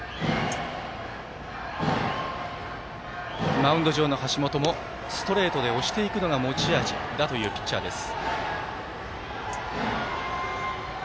マウンド上の橋本もストレートで押していくのが持ち味というピッチャーです。